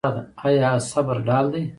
آیا صبر ډال دی؟